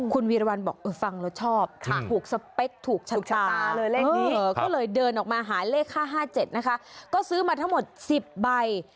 คุณวีรวัลบอกฟังแล้วชอบถูกสเปคถูกชะตาเลยเล่นดี